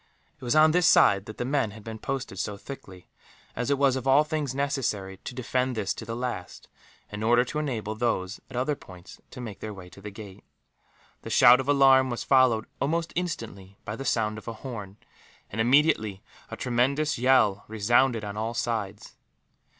It was on this side that the men had been posted so thickly, as it was of all things necessary to defend this to the last, in order to enable those at other points to make their way to the gate. The shout of alarm was followed, almost instantly, by the sound of a horn and, immediately, a tremendous yell resounded on all sides.